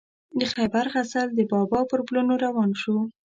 د خیبر غزل د بابا پر پلونو روان شو.